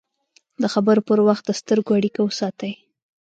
د خبرو پر وخت د سترګو اړیکه وساتئ